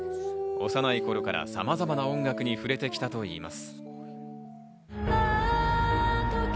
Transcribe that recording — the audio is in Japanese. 幼い頃からさまざまな音楽に触れてきたといいます。